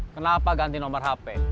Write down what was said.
kenapa ganti nomor hp